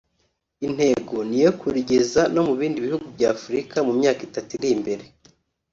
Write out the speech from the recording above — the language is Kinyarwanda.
Intego ni iyo kurigeza no mu bindi bihugu bya Afurika mu myaka itatu iri imbere